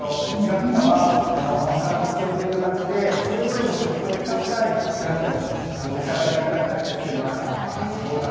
ぴ香は甘さが特徴ということでそれぞれの特徴を生かしたジャムを召し上がっていただきたくて作りました。